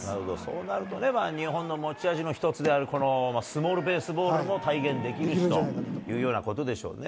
そうなると日本の持ち味の一つである、このスモールベースボールも体現できるというようなことでしょうね。